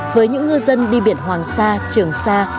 với những ngư dân đi biển hoàng sa trường sa